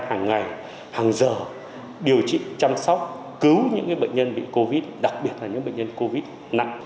hàng ngày hàng giờ điều trị chăm sóc cứu những bệnh nhân bị covid đặc biệt là những bệnh nhân covid nặng